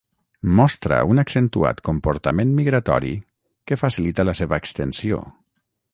Mostra un accentuat comportament migratori que facilita la seva extensió.